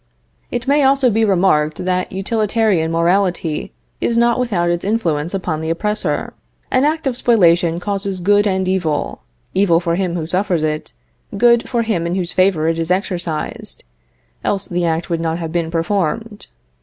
It may also be remarked that utilitarian morality is not without its influence upon the oppressor. An act of spoliation causes good and evil evil for him who suffers it, good for him in whose favor it is exercised else the act would not have been performed.